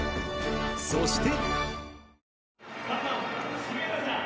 そして。